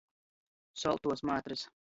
Soltuos mātrys.